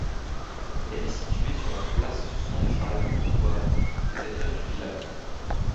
Elle est située sur la place centrale du douar, c’est-à-dire du village.